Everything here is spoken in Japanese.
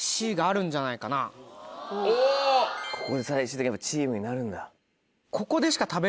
ここで最終的にチームになるんだ。